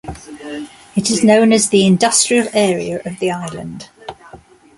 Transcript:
It is known as the industrial area of the island.